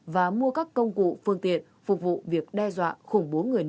và mua các công cụ phương tiện phục vụ việc đe dọa khủng bố người nổ